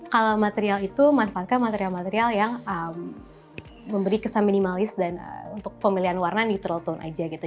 kalau material itu manfaatkan material material yang memberi kesan minimalis dan untuk pemilihan warna neutral tone aja gitu